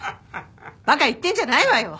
馬鹿言ってんじゃないわよ！